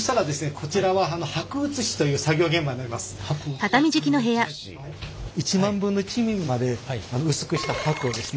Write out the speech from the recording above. こちらは１万分の１ミリまで薄くした箔をですね